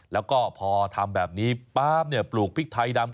แล้วก็พอทำแบบนี้ป๊าบปลูกพริกไทยดำ